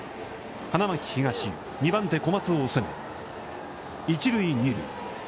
花巻東、２番手小松を攻め一塁二塁。